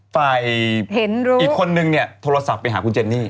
ไฟล์เห็นรู้อีกคนนึงเนี่ยโทรศัพท์ไปหาคุณเจนี่